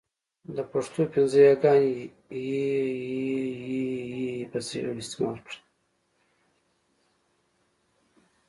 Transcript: د پښتو پنځه یاګاني ی، ي، ې، ۍ، ئ په صحيح ډول استعمال کړئ!